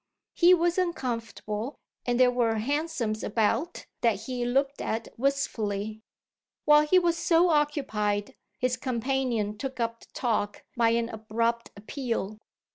He was uncomfortable, and there were hansoms about that he looked at wistfully. While he was so occupied his companion took up the talk by an abrupt appeal.